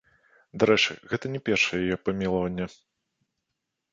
Дарэчы, гэта не першае яе памілаванне.